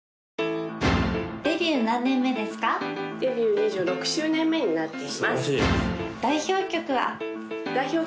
デビュー２６周年目になっています